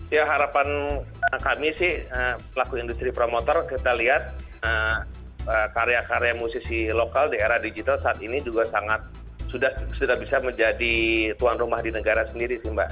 ya harapan kami sih pelaku industri promotor kita lihat karya karya musisi lokal di era digital saat ini juga sangat sudah bisa menjadi tuan rumah di negara sendiri sih mbak